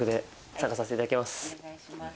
・お願いします